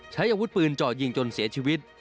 ใช้อาวุธปืนเจาะยิงจนเสียชีวิต